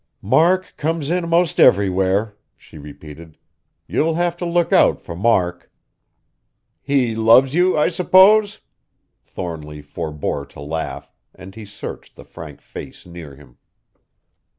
"Mark comes in 'most everywhere," she repeated. "You'll have to look out for Mark." "He loves you, I suppose?" Thornly forbore to laugh, and he searched the frank face near him.